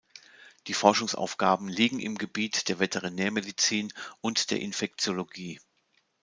Die Forschungsaufgaben liegen im Gebiet der Veterinärmedizin und der Infektiologie.